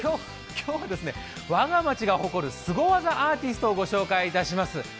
今日は、「わが町が誇るスゴ技アーティスト」を御紹介いたします。